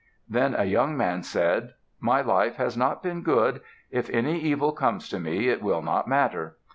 Then a young man said, "My life has not been good. If any evil comes to me, it will not matter."